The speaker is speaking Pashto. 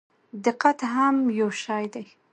دقت هم یو شی دی.